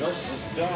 じゃあ。